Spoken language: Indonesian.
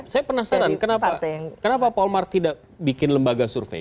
saya penasaran kenapa paul mart tidak bikin lembaga survei